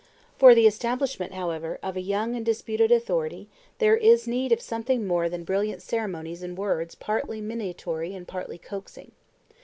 For the establishment, however, of a young and disputed authority there is need of something more than brilliant ceremonies and words partly minatory and partly coaxing.